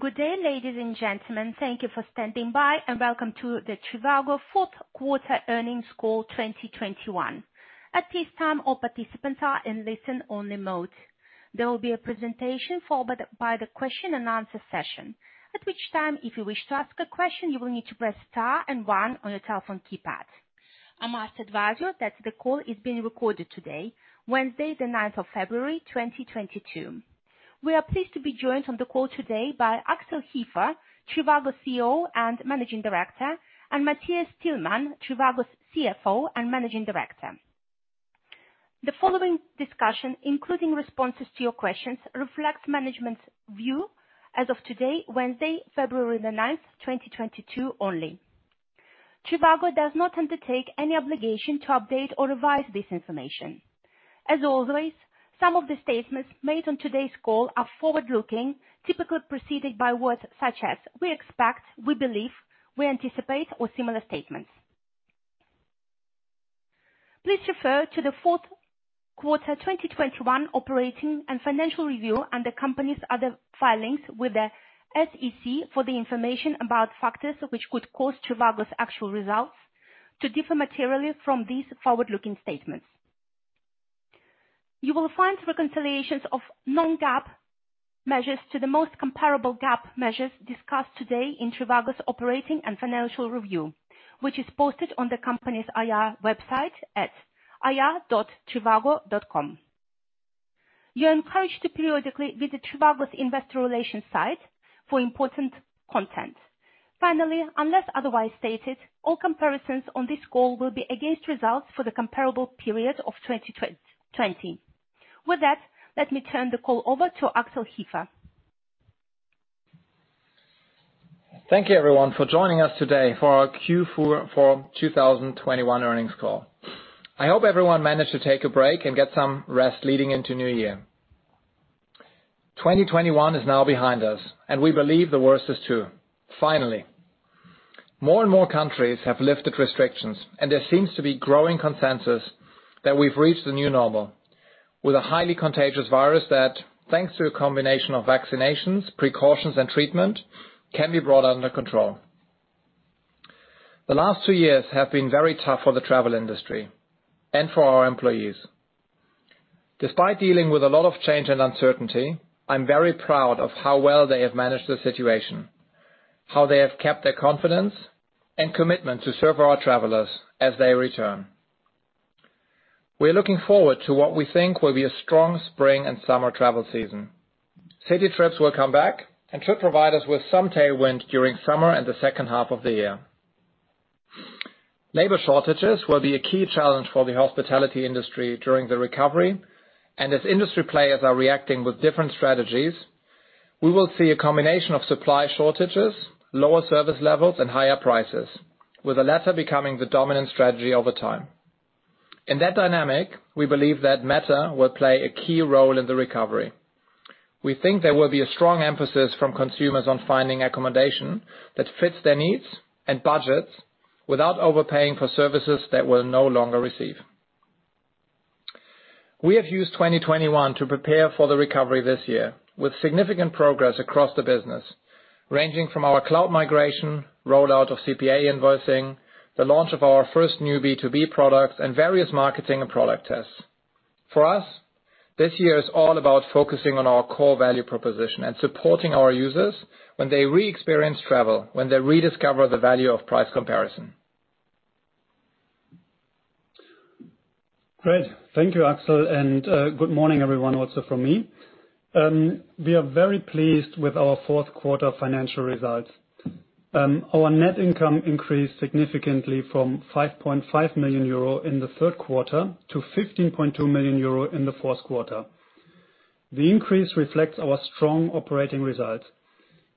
Good day, ladies and gentlemen. Thank you for standing by, and welcome to the trivago fourth quarter earnings call 2021. At this time, all participants are in listen only mode. There will be a presentation followed by the question and answer session. At which time, if you wish to ask a question, you will need to press star and one on your telephone keypad. I must advise you that the call is being recorded today, Wednesday, the 9th of February, 2022. We are pleased to be joined on the call today by Axel Hefer, trivago CEO and Managing Director, and Matthias Tillmann, trivago's CFO and Managing Director. The following discussion, including responses to your questions, reflects management's view as of today, Wednesday, February the 9th, 2022 only. trivago does not undertake any obligation to update or revise this information. As always, some of the statements made on today's call are forward-looking, typically preceded by words such as we expect, we believe, we anticipate, or similar statements. Please refer to the fourth quarter 2021 operating and financial review, and the company's other filings with the SEC for the information about factors which could cause trivago's actual results to differ materially from these forward-looking statements. You will find reconciliations of non-GAAP measures to the most comparable GAAP measures discussed today in trivago's operating and financial review, which is posted on the company's IR website at ir.trivago.com. You're encouraged to periodically visit trivago's investor relations site for important content. Finally, unless otherwise stated, all comparisons on this call will be against results for the comparable period of 2020. With that, let me turn the call over to Axel Hefer. Thank you everyone for joining us today for our Q4 2021 earnings call. I hope everyone managed to take a break and get some rest leading into the new year. 2021 is now behind us, and we believe the worst is too. Finally. More and more countries have lifted restrictions, and there seems to be growing consensus that we've reached a new normal with a highly contagious virus that, thanks to a combination of vaccinations, precautions, and treatment, can be brought under control. The last two years have been very tough for the travel industry and for our employees. Despite dealing with a lot of change and uncertainty, I'm very proud of how well they have managed the situation, how they have kept their confidence and commitment to serve our travellers as they return. We're looking forward to what we think will be a strong spring and summer travel season. City trips will come back and should provide us with some tailwind during summer and the second half of the year. Labor shortages will be a key challenge for the hospitality industry during the recovery. As industry players are reacting with different strategies, we will see a combination of supply shortages, lower service levels, and higher prices, with the latter becoming the dominant strategy over time. In that dynamic, we believe that meta will play a key role in the recovery. We think there will be a strong emphasis from consumers on finding accommodation that fits their needs and budgets without overpaying for services they will no longer receive. We have used 2021 to prepare for the recovery this year, with significant progress across the business, ranging from our cloud migration, rollout of CPA invoicing, the launch of our first new B2B product, and various marketing and product tests. For us, this year is all about focusing on our core value proposition and supporting our users when they re-experience travel, when they rediscover the value of price comparison. Great. Thank you, Axel, and good morning everyone also from me. We are very pleased with our fourth quarter financial results. Our net income increased significantly from 5.5 million euro in the third quarter to 15.2 million euro in the fourth quarter. The increase reflects our strong operating results.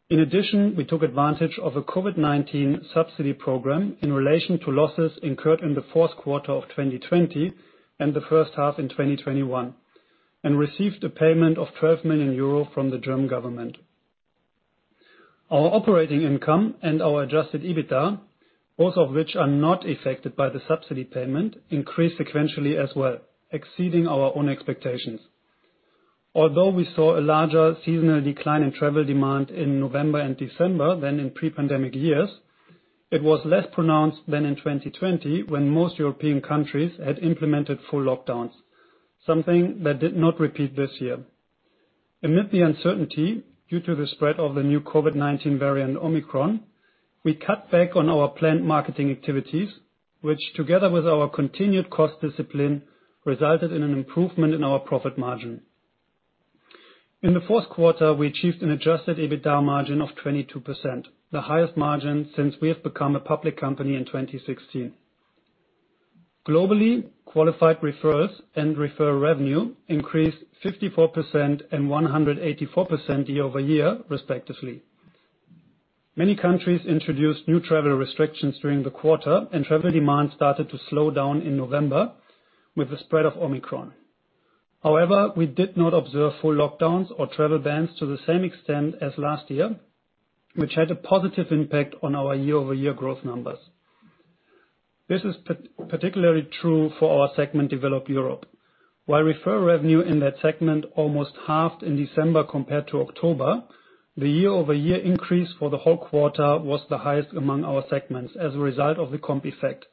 In addition, we took advantage of a COVID-19 subsidy program in relation to losses incurred in the fourth quarter of 2020 and the first half in 2021, and received a payment of 12 million euro from the German government. Our operating income and our adjusted EBITDA, both of which are not affected by the subsidy payment, increased sequentially as well, exceeding our own expectations. Although we saw a larger seasonal decline in travel demand in November and December than in pre-pandemic years, it was less pronounced than in 2020, when most European countries had implemented full lockdowns, something that did not repeat this year. Amid the uncertainty due to the spread of the new COVID-19 variant, Omicron, we cut back on our planned marketing activities, which together with our continued cost discipline, resulted in an improvement in our profit margin. In the fourth quarter, we achieved an adjusted EBITDA margin of 22%, the highest margin since we have become a public company in 2016. Globally, qualified referrals and referral revenue increased 54% and 184%-year-over year, respectively. Many countries introduced new travel restrictions during the quarter, and travel demand started to slow down in November with the spread of Omicron. However, we did not observe full lockdowns or travel bans to the same extent as last year, which had a positive impact on our year-over-year growth numbers. This is particularly true for our segment Developed Europe. While referral revenue in that segment almost halved in December compared to October, the year-over-year increase for the whole quarter was the highest among our segments as a result of the comp effect,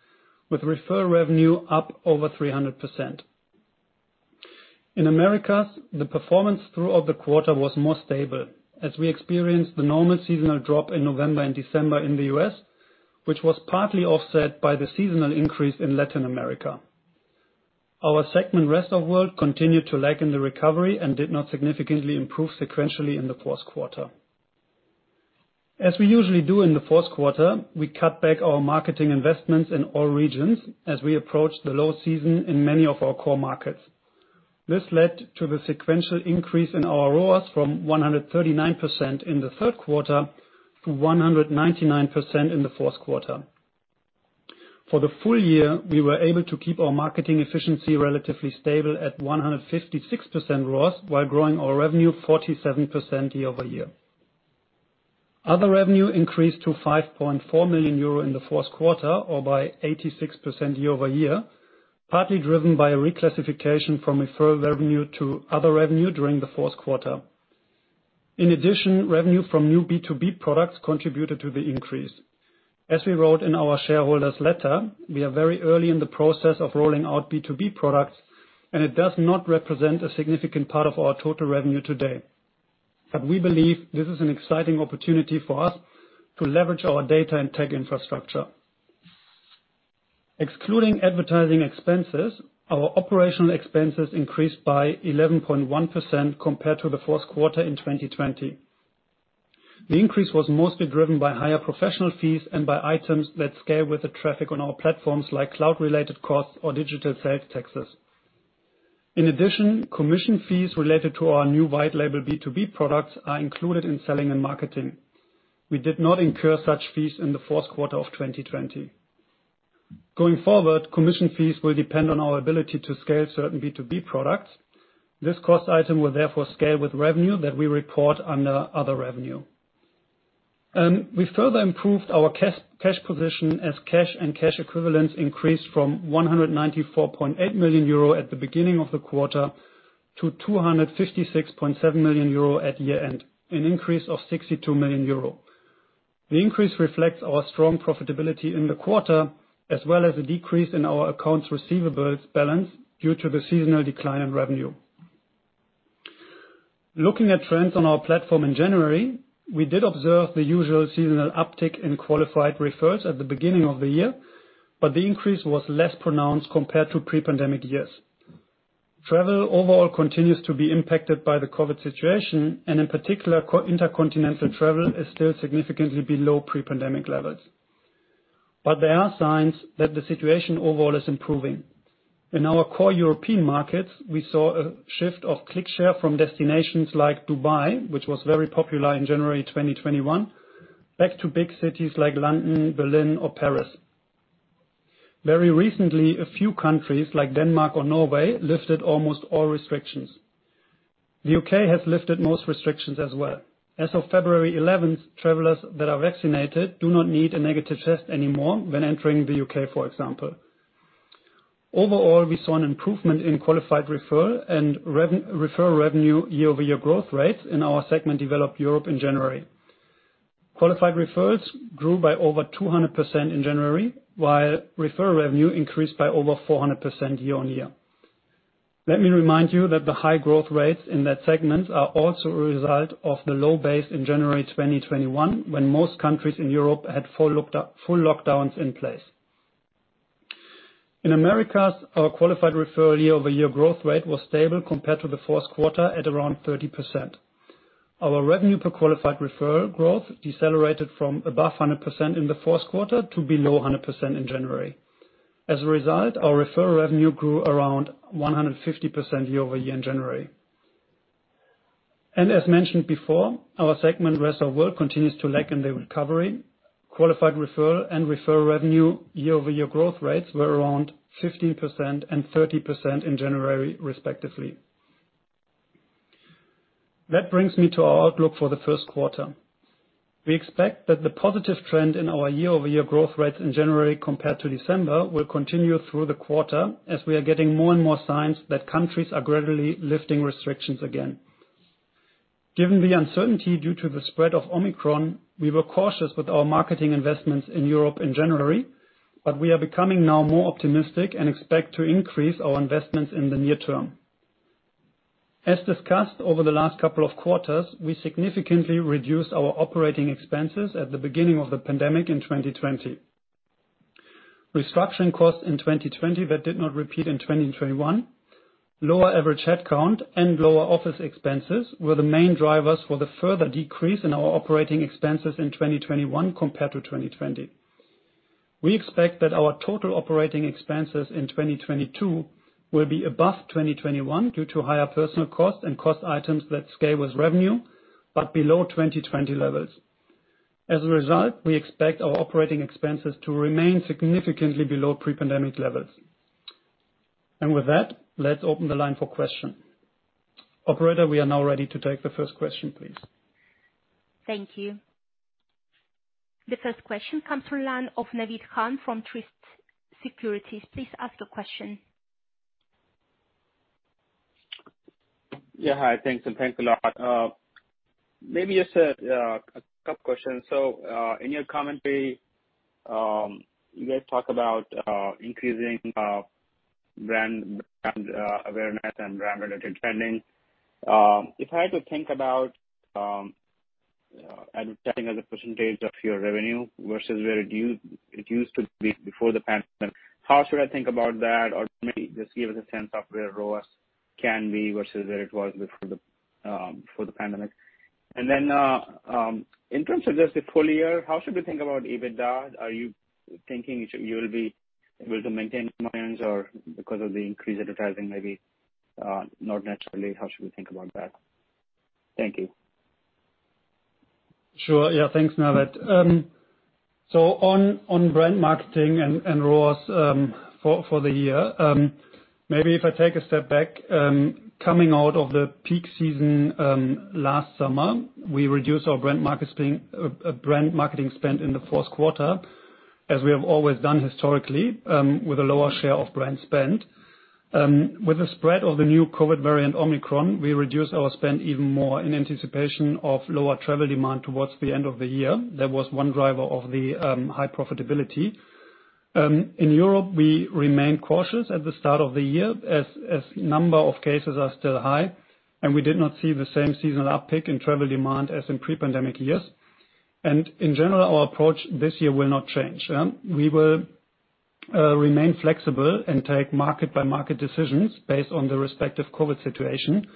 with referral revenue up over 300%. In Americas, the performance throughout the quarter was more stable as we experienced the normal seasonal drop in November and December in the U.S., which was partly offset by the seasonal increase in Latin America. Our segment Rest of World continued to lag in the recovery and did not significantly improve sequentially in the fourth quarter. As we usually do in the fourth quarter, we cut back our marketing investments in all regions as we approach the low season in many of our core markets. This led to the sequential increase in our ROAS from 139% in the third quarter to 199% in the fourth quarter. For the full year, we were able to keep our marketing efficiency relatively stable at 156% ROAS while growing our revenue 47% year-over-year. Other revenue increased to 5.4 million euro in the fourth quarter, or by 86% year-over-year, partly driven by a reclassification from refer revenue to other revenue during the fourth quarter. In addition, revenue from new B2B products contributed to the increase. As we wrote in our shareholders' letter, we are very early in the process of rolling out B2B products, and it does not represent a significant part of our total revenue today. We believe this is an exciting opportunity for us to leverage our data and tech infrastructure. Excluding advertising expenses, our operational expenses increased by 11.1% compared to the fourth quarter in 2020. The increase was mostly driven by higher professional fees and by items that scale with the traffic on our platforms like cloud-related costs or digital sales taxes. In addition, commission fees related to our new white-label B2B products are included in selling and marketing. We did not incur such fees in the fourth quarter of 2020. Going forward, commission fees will depend on our ability to scale certain B2B products. This cost item will therefore scale with revenue that we report under other revenue. We further improved our cash position as cash and cash equivalents increased from 194.8 million euro at the beginning of the quarter to 256.7 million euro at year-end, an increase of 62 million euro. The increase reflects our strong profitability in the quarter, as well as a decrease in our accounts receivables balance due to the seasonal decline in revenue. Looking at trends on our platform in January, we did observe the usual seasonal uptick in qualified referrals at the beginning of the year, but the increase was less pronounced compared to pre-pandemic years. Travel overall continues to be impacted by the COVID situation, and in particular, intercontinental travel is still significantly below pre-pandemic levels. There are signs that the situation overall is improving. In our core European markets, we saw a shift of click share from destinations like Dubai, which was very popular in January 2021, back to big cities like London, Berlin or Paris. Very recently, a few countries like Denmark or Norway lifted almost all restrictions. The U.K. has lifted most restrictions as well. As of February 11th, travelers that are vaccinated do not need a negative test anymore when entering the U.K., for example. Overall, we saw an improvement in qualified refer revenue year-over-year growth rates in our segment Developed Europe in January. Qualified refers grew by over 200% in January, while refer revenue increased by over 400% year-on-year. Let me remind you that the high growth rates in that segment are also a result of the low base in January 2021, when most countries in Europe had full lockdowns in place. In Americas, our qualified refer year-over-year growth rate was stable compared to the fourth quarter at around 30%. Our revenue per qualified refer growth decelerated from above 100% in the fourth quarter to below 100% in January. As a result, our refer revenue grew around 150% year-over-year in January. As mentioned before, our segment Rest of World continues to lag in the recovery. Qualified refer and refer revenue year-over-year growth rates were around 15% and 30% in January, respectively. That brings me to our outlook for the first quarter. We expect that the positive trend in our year-over-year growth rates in January compared to December will continue through the quarter, as we are getting more and more signs that countries are gradually lifting restrictions again. Given the uncertainty due to the spread of Omicron, we were cautious with our marketing investments in Europe in January, but we are becoming now more optimistic and expect to increase our investments in the near term. As discussed over the last couple of quarters, we significantly reduced our operating expenses at the beginning of the pandemic in 2020. Restructuring costs in 2020 that did not repeat in 2021, lower average headcount and lower office expenses were the main drivers for the further decrease in our operating expenses in 2021 compared to 2020. We expect that our total operating expenses in 2022 will be above 2021 due to higher personnel costs and cost items that scale with revenue, but below 2020 levels. As a result, we expect our operating expenses to remain significantly below pre-pandemic levels. With that, let's open the line for question. Operator, we are now ready to take the first question, please. Thank you. The first question comes from the line of Naved Khan from Truist Securities. Please ask the question. Yeah, hi. Thanks a lot. Maybe just a couple questions. In your commentary, you guys talk about increasing brand awareness and brand-related trending. If I had to think about advertising as a percentage of your revenue versus where it used to be before the pandemic, how should I think about that? Or maybe just give us a sense of where ROAS can be versus where it was before the pandemic. In terms of just the full year, how should we think about EBITDA? Are you thinking you will be able to maintain margins or because of the increased advertising, maybe not necessarily? How should we think about that? Thank you. Sure. Yeah, thanks, Naved. So on brand marketing and ROAS, for the year, maybe if I take a step back, coming out of the peak season last summer, we reduced our brand marketing spend in the fourth quarter, as we have always done historically, with a lower share of brand spend. With the spread of the new COVID variant, Omicron, we reduced our spend even more in anticipation of lower travel demand towards the end of the year. That was one driver of the high profitability. In Europe, we remained cautious at the start of the year as number of cases are still high, and we did not see the same seasonal uptick in travel demand as in pre-pandemic years. In general, our approach this year will not change, yeah? We will remain flexible and take market-by-market decisions based on the respective COVID situation.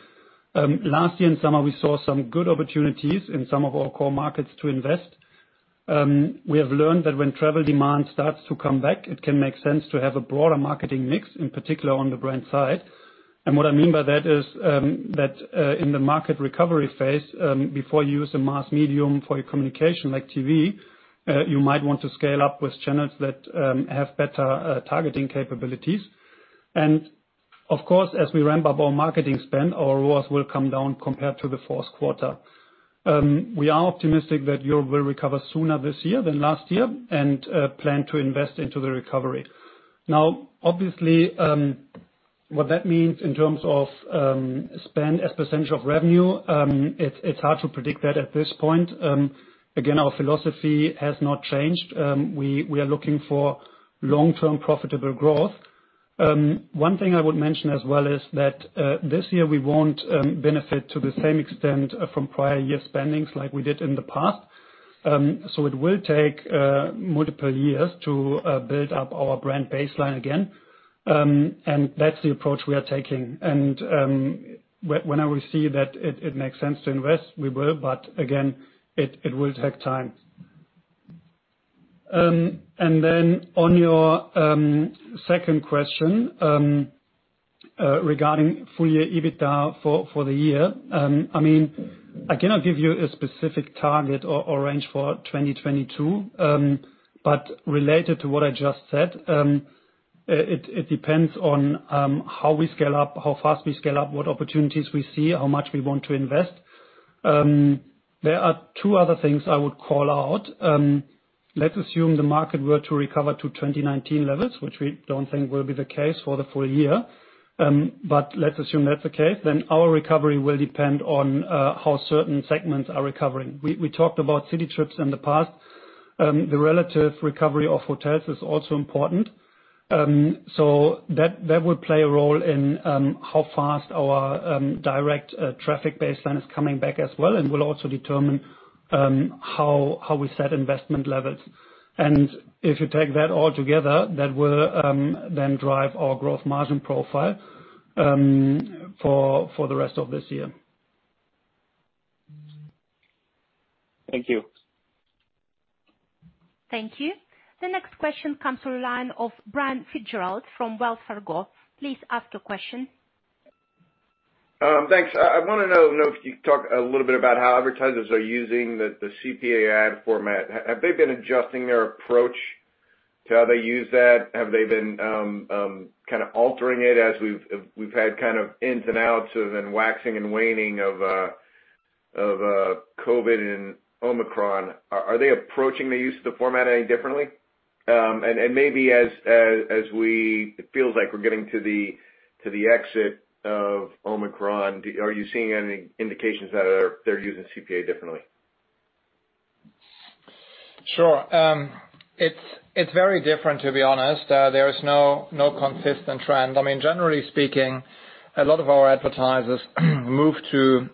Last year in summer, we saw some good opportunities in some of our core markets to invest. We have learned that when travel demand starts to come back, it can make sense to have a broader marketing mix, in particular on the brand side. What I mean by that is that in the market recovery phase, before you use a mass medium for your communication, like TV, you might want to scale up with channels that have better targeting capabilities. Of course, as we ramp up our marketing spend, our ROAS will come down compared to the fourth quarter. We are optimistic that Europe will recover sooner this year than last year and plan to invest into the recovery. Now obviously, what that means in terms of spend as percentage of revenue, it's hard to predict that at this point. Again, our philosophy has not changed. We are looking for long-term profitable growth. One thing I would mention as well is that this year we won't benefit to the same extent from prior year spending like we did in the past. So it will take multiple years to build up our brand baseline again. That's the approach we are taking. Whenever we see that it makes sense to invest, we will, but again, it will take time. On your second question, regarding full-year EBITDA for the year, I mean, I cannot give you a specific target or range for 2022. Related to what I just said, it depends on how we scale up, how fast we scale up, what opportunities we see, how much we want to invest. There are two other things I would call out. Let's assume the market were to recover to 2019 levels, which we don't think will be the case for the full year. Let's assume that's the case, then our recovery will depend on how certain segments are recovering. We talked about city trips in the past. The relative recovery of hotels is also important. That will play a role in how fast our direct traffic baseline is coming back as well, and will also determine how we set investment levels. If you take that all together, that will then drive our growth margin profile for the rest of this year. Thank you. Thank you. The next question comes from the line of Brian Fitzgerald from Wells Fargo. Please ask your question. Thanks. I wanna know if you could talk a little bit about how advertisers are using the CPA ad format. Have they been adjusting their approach to how they use that? Have they been kinda altering it as we've had kind of ins and outs and then waxing and waning of COVID and Omicron? Are they approaching the use of the format any differently? And maybe as it feels like we're getting to the exit of Omicron, are you seeing any indications that they're using CPA differently? Sure. It's very different, to be honest. There is no consistent trend. I mean, generally speaking, a lot of our advertisers move to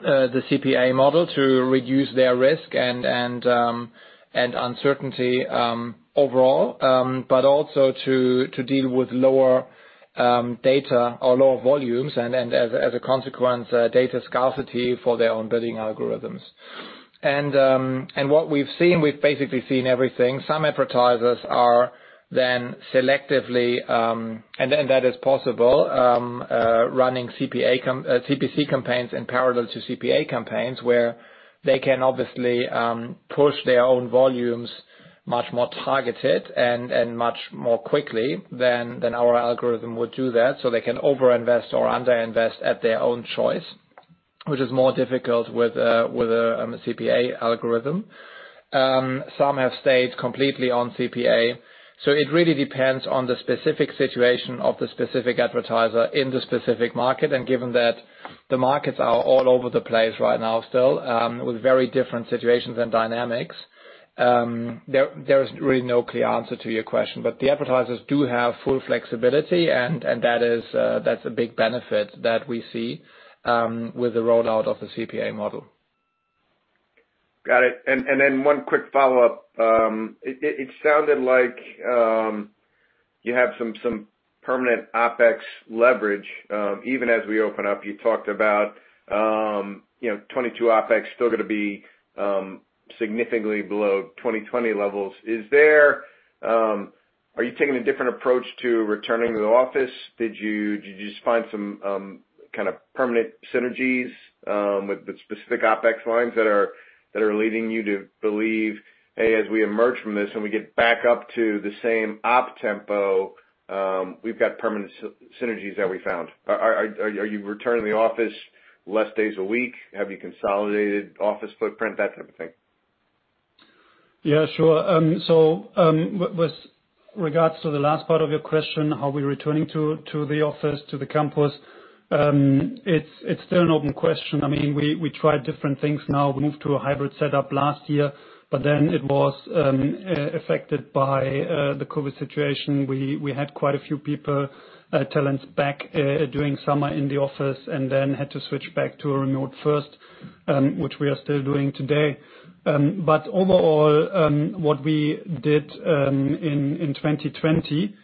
the CPA model to reduce their risk and uncertainty overall, but also to deal with lower data or lower volumes, and as a consequence, data scarcity for their own bidding algorithms. What we've seen, we've basically seen everything. Some advertisers are then selectively, and then that is possible, running CPC campaigns in parallel to CPA campaigns, where they can obviously push their own volumes much more targeted and much more quickly than our algorithm would do that. They can over-invest or under-invest at their own choice. Which is more difficult with a CPA algorithm. Some have stayed completely on CPA. It really depends on the specific situation of the specific advertiser in the specific market, and given that the markets are all over the place right now, still, with very different situations and dynamics, there is really no clear answer to your question. The advertisers do have full flexibility, and that is a big benefit that we see with the rollout of the CPA model. Got it. Then one quick follow-up. It sounded like you have some permanent OpEx leverage even as we open up. You talked about, you know, 2022 OpEx still gonna be significantly below 2020 levels. Are you taking a different approach to returning to the office? Did you just find some kind of permanent synergies with the specific OpEx lines that are leading you to believe, as we emerge from this and we get back up to the same op tempo, we've got permanent synergies that we found. Are you returning to the office less days a week? Have you consolidated office footprint? That type of thing. Yeah, sure. So, with regards to the last part of your question, are we returning to the office, to the campus? It's still an open question. I mean, we tried different things now. We moved to a hybrid setup last year, but then it was affected by the COVID situation. We had quite a few people talent back during summer in the office and then had to switch back to a remote first, which we are still doing today. Overall, what we did in 2020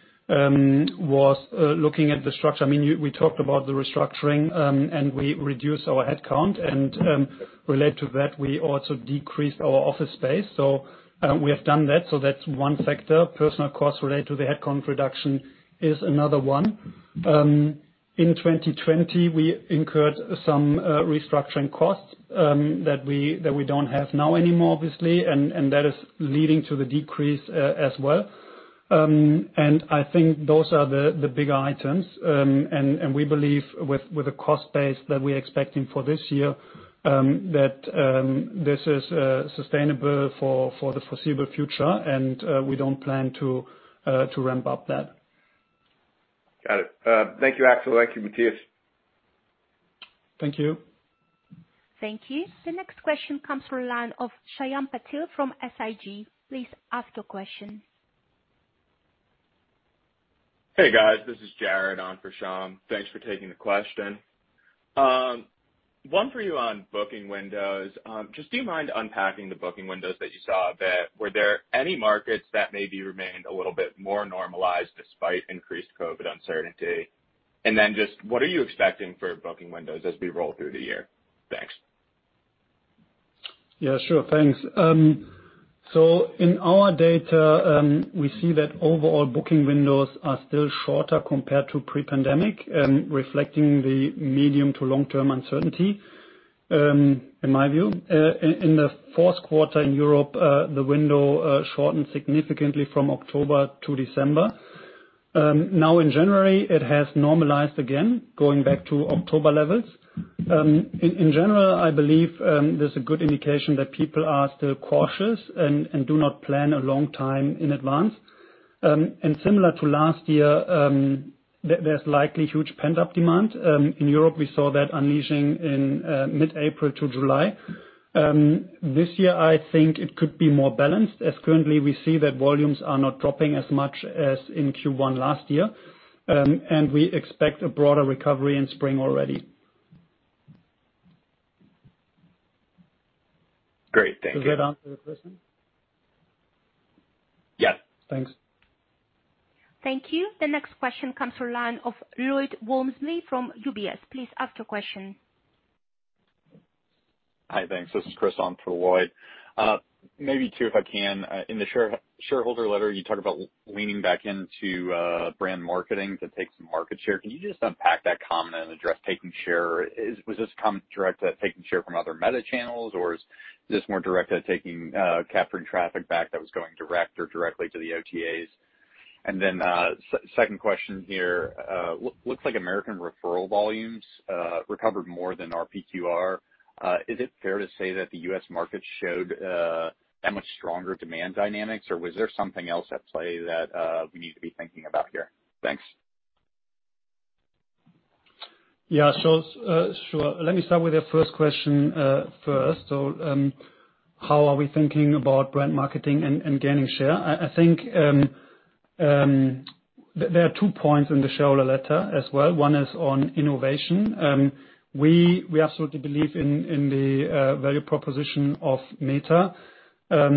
was looking at the structure. I mean, we talked about the restructuring, and we reduced our headcount, and related to that, we also decreased our office space. We have done that, that's one factor. Personal costs related to the headcount reduction is another one. In 2020, we incurred some restructuring costs that we don't have now anymore, obviously, and that is leading to the decrease, as well. I think those are the bigger items. We believe with the cost base that we're expecting for this year, that this is sustainable for the foreseeable future and we don't plan to ramp up that. Got it. Thank you, Axel. Thank you, Matthias. Thank you. Thank you. The next question comes from the line of Shyam Patil from SIG. Please ask your question. Hey, guys. This is Jared on for Shyam. Thanks for taking the question. One for you on booking windows. Just do you mind unpacking the booking windows that you saw a bit? Were there any markets that maybe remained a little bit more normalized despite increased COVID uncertainty? Just what are you expecting for booking windows as we roll through the year? Thanks. Yeah, sure. Thanks. In our data, we see that overall booking windows are still shorter compared to pre-pandemic, reflecting the medium to long-term uncertainty, in my view. In the fourth quarter in Europe, the window shortened significantly from October to December. Now in January, it has normalized again, going back to October levels. In general, I believe, there's a good indication that people are still cautious and do not plan a long time in advance. Similar to last year, there's likely huge pent-up demand. In Europe, we saw that unleashing in mid-April to July. This year, I think it could be more balanced, as currently we see that volumes are not dropping as much as in Q1 last year. We expect a broader recovery in spring already. Great. Thank you. Does that answer the question? Yeah. Thanks. Thank you. The next question comes from the line of Lloyd Walmsley from UBS. Please ask your question. Hi, thanks. This is Chris on for Lloyd. Maybe two, if I can. In the shareholder letter, you talk about leaning back into brand marketing to take some market share. Can you just unpack that comment and address taking share? Was this comment directed at taking share from other meta channels, or is this more directed at capturing traffic back that was going direct or directly to the OTAs? Second question here. Looks like American referral volumes recovered more than RPQR. Is it fair to say that the U.S. market showed that much stronger demand dynamics, or was there something else at play that we need to be thinking about here? Thanks. Yeah, sure. Let me start with your first question, first. How are we thinking about brand marketing and gaining share? I think there are two points in the shareholder letter as well. One is on innovation. We absolutely believe in the value proposition of meta. I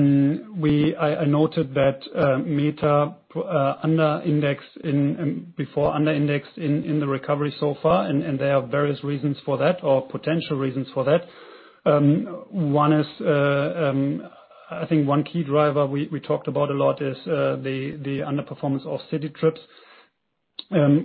noted that meta under-indexed in the recovery so far, and there are various reasons for that or potential reasons for that. One is, I think one key driver we talked about a lot is the underperformance of city trips,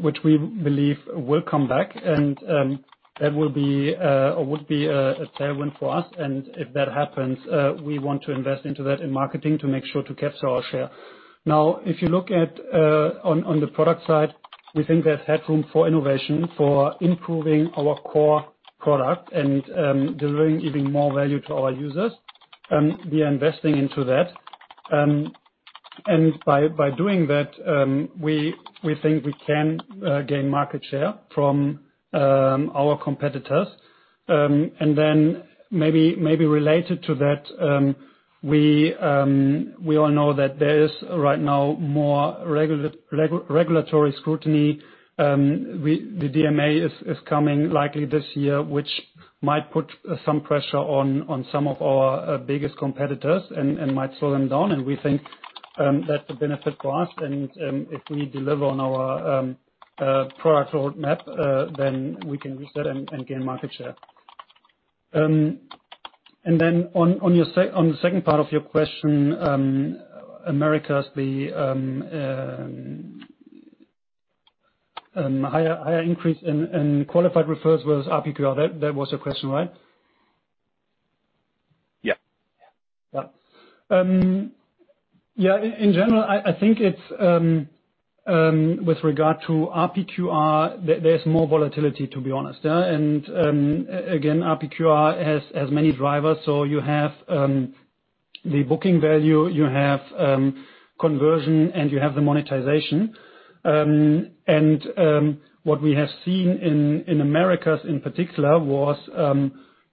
which we believe will come back and that will be or would be a tailwind for us. If that happens, we want to invest into that in marketing to make sure to capture our share. Now, if you look at, on the product side, we think there's headroom for innovation, for improving our core product and, delivering even more value to our users. We are investing into that. By doing that, we think we can gain market share from our competitors. Maybe related to that, we all know that there is right now more regulatory scrutiny. The DMA is coming likely this year, which might put some pressure on some of our biggest competitors and might slow them down. We think that's a benefit to us. If we deliver on our product roadmap, then we can reach that and gain market share. On the second part of your question, Americas, the higher increase in qualified referrals versus RPQR. That was your question, right? Yeah. Yeah. Yeah, in general, I think it's with regard to RPQR, there's more volatility, to be honest. Yeah. Again, RPQR has many drivers. So you have the booking value, you have conversion, and you have the monetization. What we have seen in Americas, in particular, was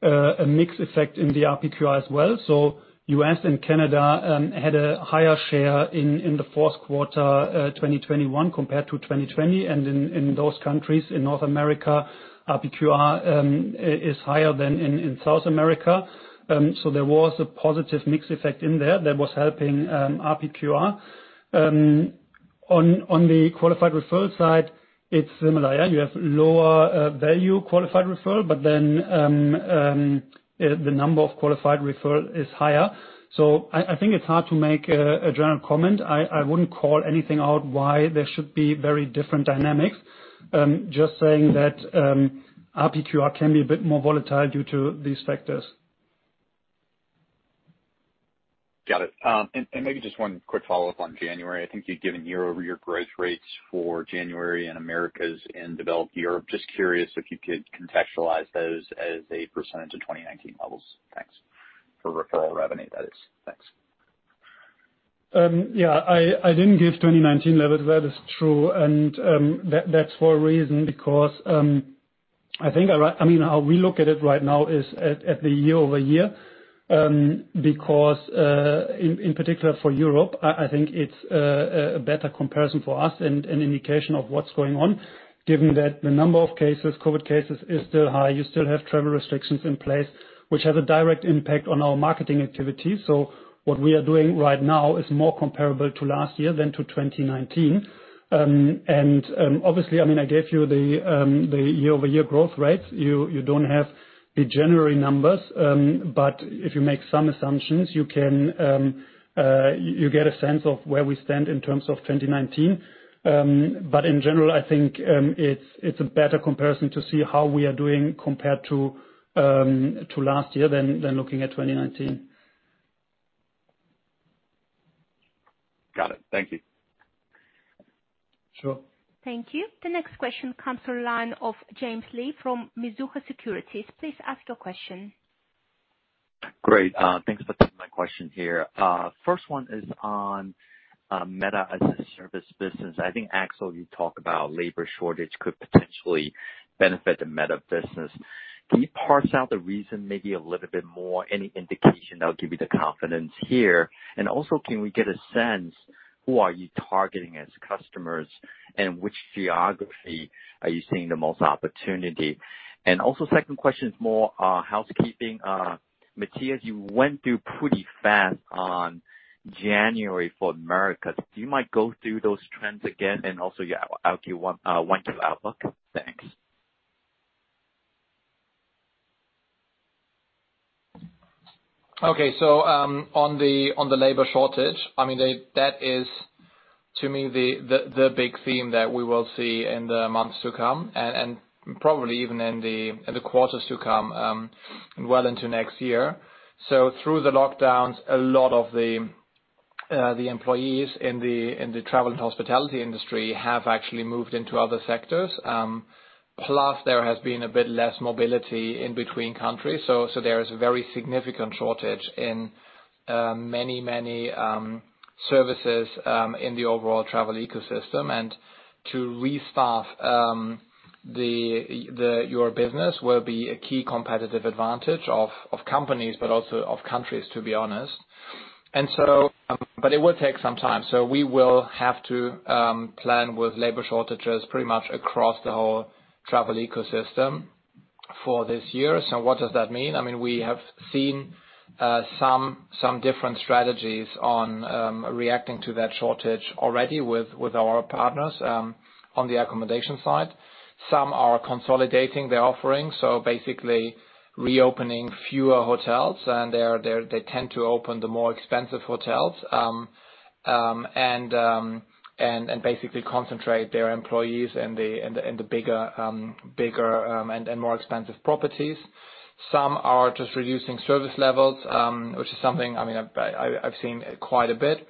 a mix effect in the RPQR as well. So U.S. and Canada had a higher share in the fourth quarter, 2021 compared to 2020. In those countries in North America, RPQR is higher than in South America. So there was a positive mix effect in there that was helping RPQR. On the qualified referral side, it's similar. You have lower value qualified referral, but then the number of qualified referral is higher. I think it's hard to make a general comment. I wouldn't call anything out why there should be very different dynamics. Just saying that RPQR can be a bit more volatile due to these factors. Got it. Maybe just one quick follow-up on January. I think you'd given year-over-year growth rates for January in Americas and Developed Europe. Just curious if you could contextualize those as a percentage of 2019 levels. Thanks. For referral revenue, that is. Thanks. Yeah, I didn't give 2019 levels, that is true. That's for a reason because I mean, how we look at it right now is at the year-over-year, because in particular for Europe, I think it's a better comparison for us and an indication of what's going on, given that the number of cases, COVID cases, is still high. You still have travel restrictions in place, which have a direct impact on our marketing activities. What we are doing right now is more comparable to last year than to 2019. Obviously, I mean, I gave you the year-over-year growth rates. You don't have the January numbers. If you make some assumptions, you can get a sense of where we stand in terms of 2019. In general, I think it's a better comparison to see how we are doing compared to last year than looking at 2019. Got it. Thank you. Sure. Thank you. The next question comes from the line of James Lee from Mizuho Securities. Please ask your question. Great. Thanks for taking my question here. First one is on meta as a service business. I think, Axel, you talked about labor shortage could potentially benefit the meta business. Can you parse out the reason maybe a little bit more? Any indication that'll give you the confidence here? And also, can we get a sense, who are you targeting as customers, and which geography are you seeing the most opportunity? And also second question is more housekeeping. Matthias, you went through pretty fast on January for Americas. You might go through those trends again and also your out-year winter outlook. Thanks. On the labour shortage, I mean, that is, to me, the big theme that we will see in the months to come, and probably even in the quarters to come, well into next year. Through the lockdowns, a lot of the employees in the travel and hospitality industry have actually moved into other sectors. Plus, there has been a bit less mobility in between countries. There is a very significant shortage in many services in the overall travel ecosystem. To restaff your business will be a key competitive advantage of companies, but also of countries, to be honest. But it will take some time. We will have to plan with labor shortages pretty much across the whole travel ecosystem for this year. What does that mean? I mean, we have seen some different strategies on reacting to that shortage already with our partners on the accommodation side. Some are consolidating their offerings, so basically reopening fewer hotels, and they tend to open the more expensive hotels and basically concentrate their employees in the bigger and more expensive properties. Some are just reducing service levels, which is something I mean, I've seen quite a bit.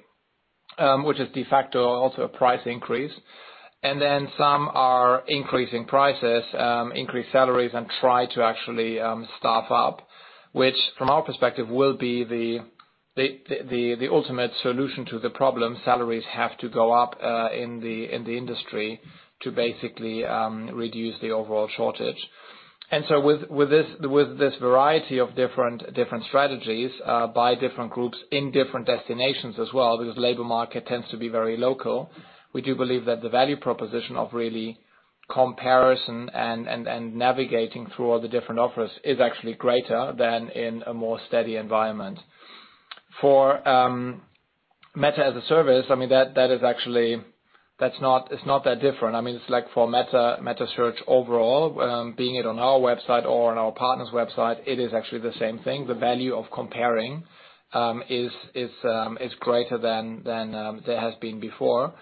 Which is de facto also a price increase. Some are increasing prices, increase salaries, and try to actually staff up, which from our perspective will be the ultimate solution to the problem. Salaries have to go up in the industry to basically reduce the overall shortage. With this variety of different strategies by different groups in different destinations as well, because labour market tends to be very local, we do believe that the value proposition of real comparison and navigating through all the different offers is actually greater than in a more steady environment. For meta as a service, I mean, that is actually not that different. I mean, it's like for metasearch overall, be it on our website or on our partner's website, it is actually the same thing. The value of comparing is greater than there has been before.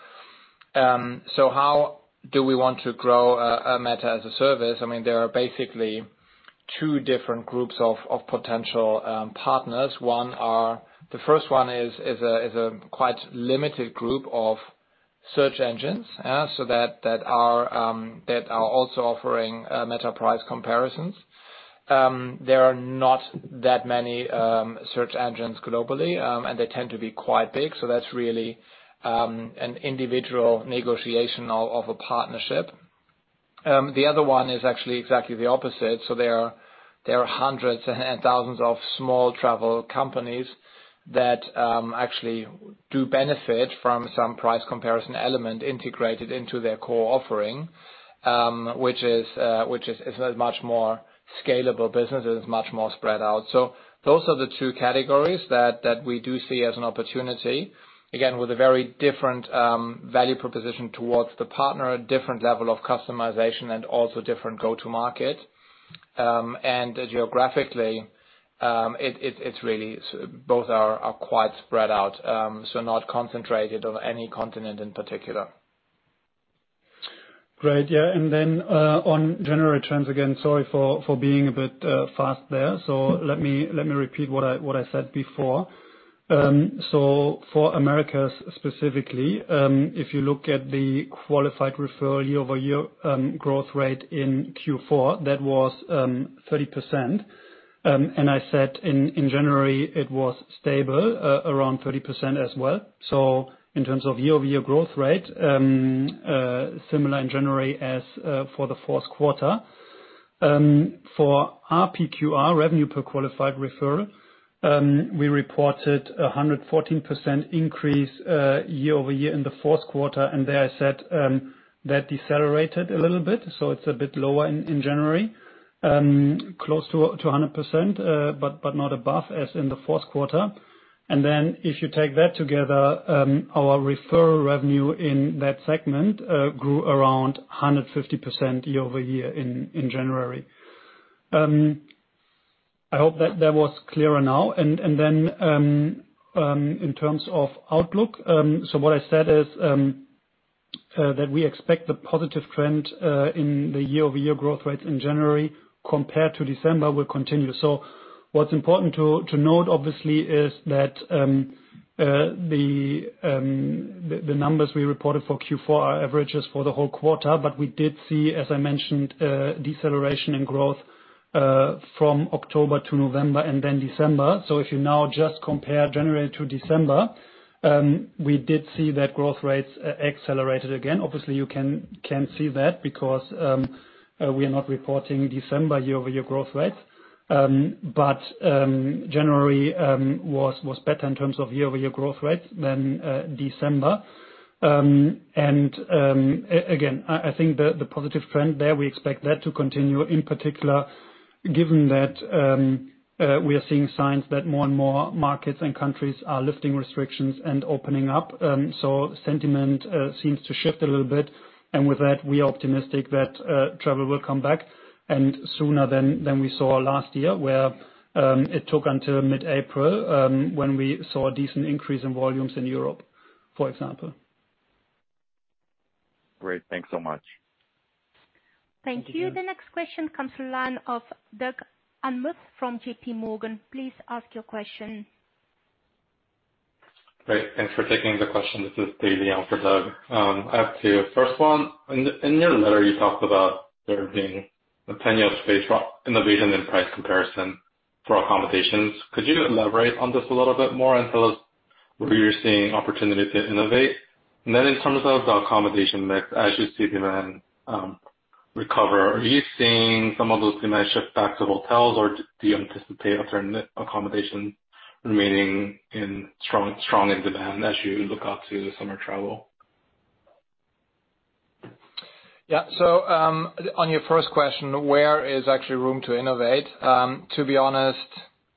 How do we want to grow meta as a service? I mean, there are basically two different groups of potential partners. The first one is a quite limited group of search engines that are also offering meta price comparisons. There are not that many search engines globally, and they tend to be quite big. That's really an individual negotiation of a partnership. The other one is actually exactly the opposite. There are hundreds and thousands of small travel companies that actually do benefit from some price comparison element integrated into their core offering, which is a much more scalable business. It is much more spread out. Those are the two categories that we do see as an opportunity. Again, with a very different value proposition towards the partner, a different level of customization and also different go-to-market. Geographically, it's really, both are quite spread out, so not concentrated on any continent in particular. Great. Yeah. On January trends again, sorry for being a bit fast there. Let me repeat what I said before. For Americas specifically, if you look at the qualified referral year-over-year growth rate in Q4, that was 30%. I said in January it was stable around 30% as well. In terms of year-over-year growth rate, similar in January as for the fourth quarter. For RPQR, revenue per qualified referral, we reported a 114% increase year-over-year in the fourth quarter. There I said that decelerated a little bit, so it's a bit lower in January. Close to a 100%, but not above as in the fourth quarter. If you take that together, our referral revenue in that segment grew around 150% year-over-year in January. I hope that was clearer now. In terms of outlook, what I said is that we expect the positive trend in the year-over-year growth rates in January compared to December will continue. What's important to note obviously is that the numbers we reported for Q4 are averages for the whole quarter. We did see, as I mentioned, deceleration in growth from October to November and then December. If you now just compare January to December, we did see that growth rates accelerated again. Obviously, you can't see that because we are not reporting December year-over-year growth rates. January was better in terms of year-over-year growth rate than December. Again, I think the positive trend there, we expect that to continue in particular given that we are seeing signs that more and more markets and countries are lifting restrictions and opening up. Sentiment seems to shift a little bit. With that, we are optimistic that travel will come back sooner than we saw last year, where it took until mid-April when we saw a decent increase in volumes in Europe, for example. Great. Thanks so much. Thank you. The next question comes from the line of Doug Anmuth from JPMorgan. Please ask your question. Great, thanks for taking the question. This is Dae Lee on for Doug. I have two. First one, in your letter you talked about there being a tenuous phase for innovation and price comparison for accommodations. Could you elaborate on this a little bit more and tell us where you're seeing opportunity to innovate? And then in terms of the accommodation mix as you see demand recover, are you seeing some of those demand shift back to hotels, or do you anticipate a certain accommodation remaining in strong in demand as you look out to the summer travel? Yeah. On your first question, where is actually room to innovate? To be honest,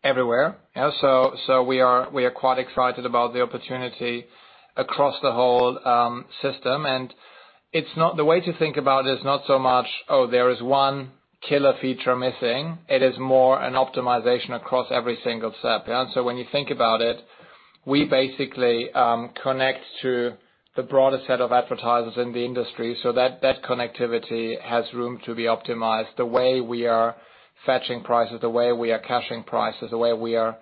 everywhere. Yeah, we are quite excited about the opportunity across the whole system. The way to think about it is not so much, oh, there is one killer feature missing. It is more an optimization across every single step. Yeah. When you think about it, we basically connect to the broader set of advertisers in the industry, so that connectivity has room to be optimized. The way we are fetching prices, the way we are caching prices, the way we are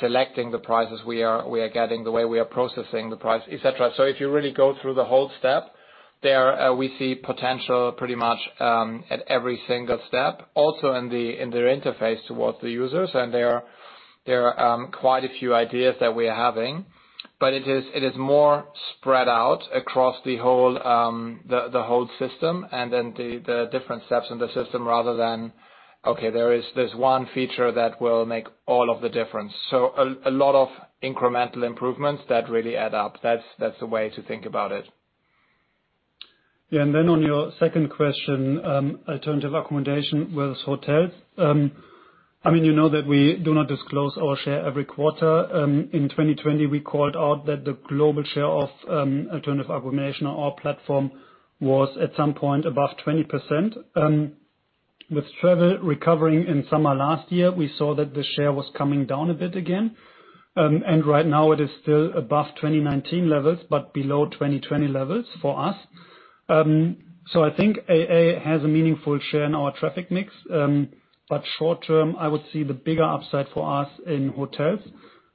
selecting the prices we are getting, the way we are processing the price, et cetera. If you really go through the whole step, we see potential pretty much at every single step. Also, in their interface toward the users, and there are quite a few ideas that we are having. It is more spread out across the whole system, and then the different steps in the system, rather than there is this one feature that will make all of the difference. A lot of incremental improvements that really add up. That's the way to think about it. Yeah, on your second question, alternative accommodation versus hotels. I mean, you know that we do not disclose our share every quarter. In 2020 we called out that the global share of alternative accommodation on our platform was at some point above 20%. With travel recovering in summer last year, we saw that the share was coming down a bit again. Right now it is still above 2019 levels, but below 2020 levels for us. I think AA has a meaningful share in our traffic mix. Short-term, I would see the bigger upside for us in hotels,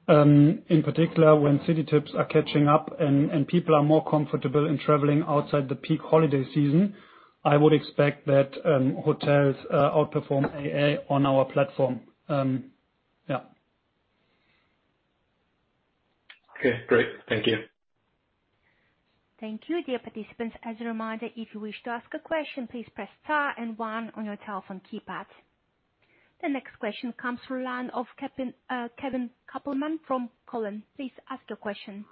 in particular when city trips are catching up and people are more comfortable in traveling outside the peak holiday season. I would expect that hotels outperform AA on our platform. Yeah. Okay, great. Thank you. Thank you, dear participants. As a reminder, if you wish to ask a question, please press star and one on your telephone keypad. The next question comes from the line of Kevin Kopelman from Cowen. Please ask your question.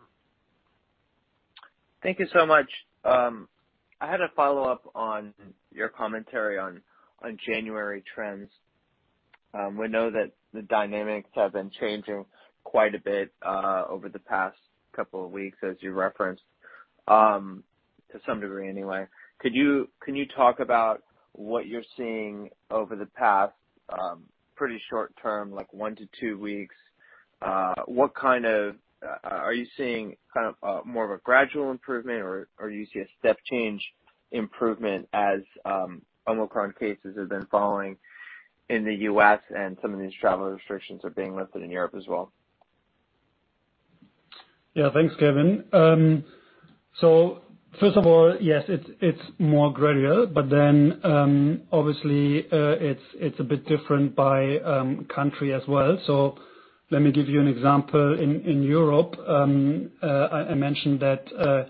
Thank you so much. I had a follow-up on your commentary on January trends. We know that the dynamics have been changing quite a bit over the past couple of weeks as you referenced to some degree anyway. Can you talk about what you're seeing over the past pretty short term, like one to two weeks? Are you seeing kind of more of a gradual improvement or you see a step change improvement as Omicron cases have been falling in the U.S., and some of these travel restrictions are being lifted in Europe as well? Yeah, thanks, Kevin. First of all, yes, it's more gradual, but then, obviously, it's a bit different by country as well. Let me give you an example. In Europe, I mentioned that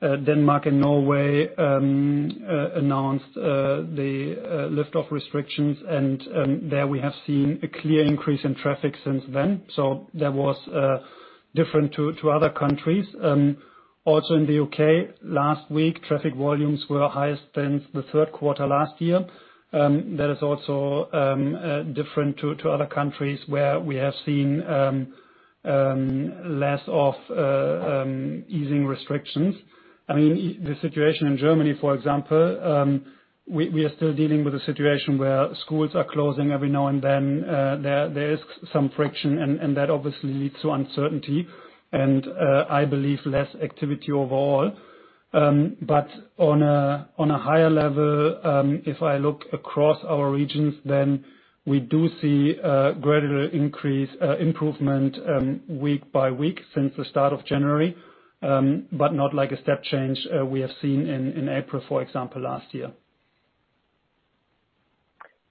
Denmark and Norway announced the lift of restrictions and there we have seen a clear increase in traffic since then. That was different to other countries. Also in the U.K. last week, traffic volumes were higher than the third quarter last year. That is also different to other countries where we have seen less easing of restrictions. I mean, the situation in Germany, for example, we are still dealing with a situation where schools are closing every now and then. There is some friction and that obviously leads to uncertainty and I believe less activity overall. On a higher level, if I look across our regions, we do see a gradual increase, improvement, week by week since the start of January. Not like a step change we have seen in April, for example, last year.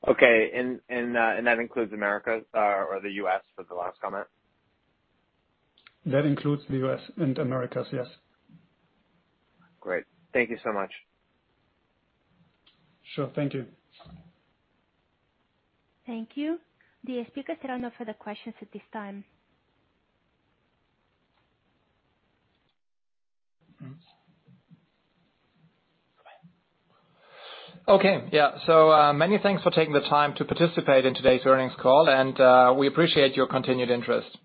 Okay, that includes Americas or the U.S. for the last comment? That includes the U.S. and Americas, yes. Great. Thank you so much. Sure. Thank you. Thank you. The speakers are done for the questions at this time. Okay. Yeah. Many thanks for taking the time to participate in today's earnings call, and we appreciate your continued interest.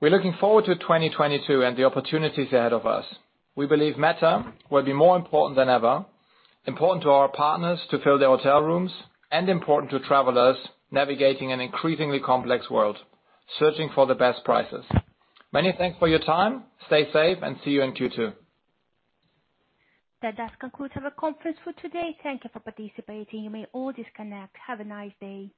We're looking forward to 2022 and the opportunities ahead of us. We believe meta will be more important than ever, important to our partners to fill their hotel rooms, and important to travelers navigating an increasingly complex world, searching for the best prices. Many thanks for your time. Stay safe and see you in Q2. That does conclude our conference for today. Thank you for participating. You may all disconnect. Have a nice day.